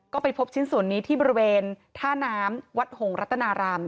ก็ไปพบชิ้นส่วนนี้ที่บริเวณท่าน้ำวัดหงรัตนาราม